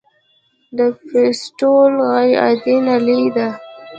د فیستول غیر عادي نلۍ ده.